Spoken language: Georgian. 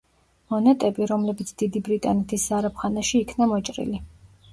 მონეტები, რომლებიც დიდი ბრიტანეთის ზარაფხანაში იქნა მოჭრილი.